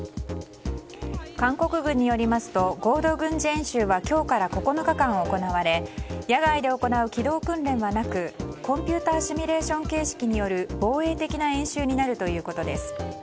韓国軍によりますと合同軍事演習は今日から９日間行われ野外で行う機動訓練はなくコンピューターシミュレーション形式による防衛的な演習になるということです。